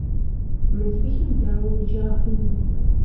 Mı txılhır daue yêzğeha xhunu?